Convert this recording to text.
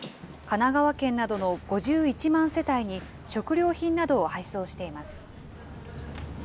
神奈川県などの５１万世帯に食料品などを配送しています。